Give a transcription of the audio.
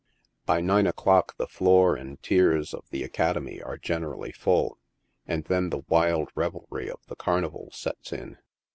By nine o'clock the floor and tiers of the Academy are generally full, and then the wild revelry of the carnival sets in.